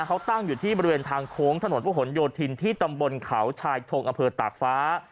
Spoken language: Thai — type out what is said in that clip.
เขาตั้งอยู่ที่บริเวณทางโค้งถนนพระหลโยธินที่ตำบลเขาชายชงอำเภอตากฟ้า